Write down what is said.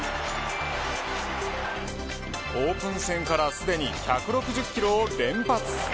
オープン戦からすでに１６０キロを連発。